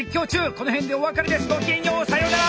この辺でお別れですごきげんようさようなら！